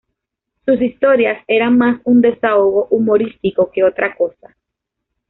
Sus historias eran más un desahogo humorístico que otra cosa.